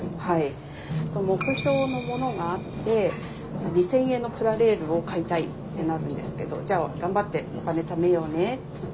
目標のものがあって２，０００円のプラレールを買いたいってなるんですけど「じゃあ頑張ってお金貯めようね」って。